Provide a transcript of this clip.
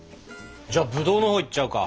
じゃあブドウのほういっちゃおうか。